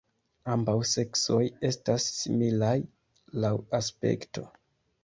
Ambaŭ seksoj estas similaj laŭ aspekto.